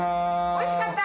おいしかった？